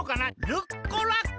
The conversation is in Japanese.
ルッコラッコ。